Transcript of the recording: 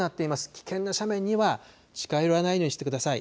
危険な斜面には近寄らないようにしてください。